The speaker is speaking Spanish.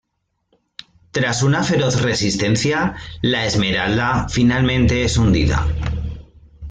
Tras una feroz resistencia, la ""Esmeralda"" finalmente es hundida.